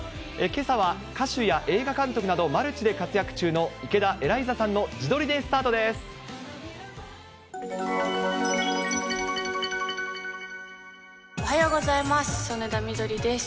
けさは、歌手や映画監督など、マルチで活躍中の池田エライザさんの自撮りでスタートです。